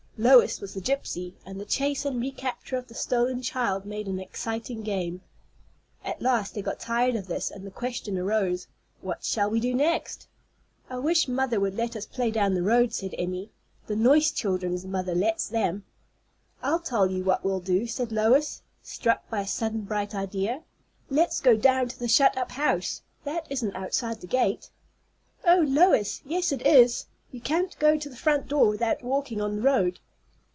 Lois was the gypsy, and the chase and recapture of the stolen child made an exciting game. At last they got tired of this, and the question arose: "What shall we do next?" "I wish mother would let us play down the road," said Emmy. "The Noyse children's mother lets them." "I'll tell you what we'll do," said Lois, struck by a sudden bright idea. "Let's go down to the shut up house. That isn't outside the gate." "O Lois! yes, it is. You can't go to the front door without walking on the road."